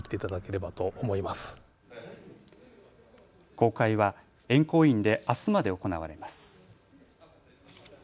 公開は円光院であすまで行われます。